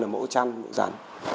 và mẫu trăn mẫu rắn